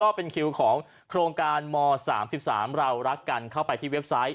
เป็นคิวของโครงการม๓๓เรารักกันเข้าไปที่เว็บไซต์